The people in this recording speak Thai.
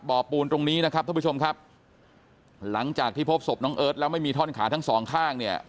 ปูนตรงนี้นะครับท่านผู้ชมครับหลังจากที่พบศพน้องเอิร์ทแล้วไม่มีท่อนขาทั้งสองข้างเนี่ย